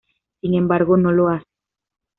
Sin embargo, no lo hace.